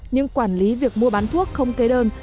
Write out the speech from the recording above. nhưng quản lý việc mua bán thuốc không kế đơn